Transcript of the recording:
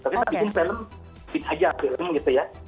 tapi kita bikin film film aja film gitu ya